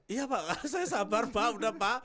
iya pak saya sabar pak udah pak